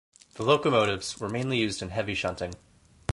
The locomotives were mainly used in heavy shunting.